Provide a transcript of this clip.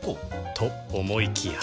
と思いきや